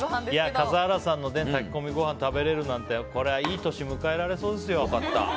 笠原さんの炊き込みご飯食べれるなんていい年迎えられそうですよ。